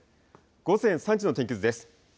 午前３時の天気図です。